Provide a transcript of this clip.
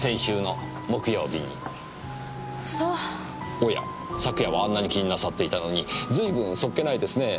おや昨夜はあんなに気になさっていたのにずいぶん素っ気ないですね。